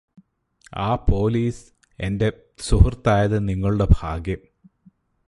ആ പോലിസ് എന്റെ സുഹൃത്തായത് നിങ്ങളുടെ ഭാഗ്യം